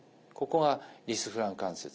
ここがリスフラン関節。